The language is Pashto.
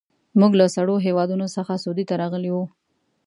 موږ له سړو هېوادونو څخه سعودي ته راغلي وو.